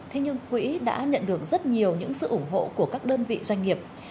thế nhưng quỹ đã nhận được rất nhiều những sự ủng hộ của các đơn vị doanh nghiệp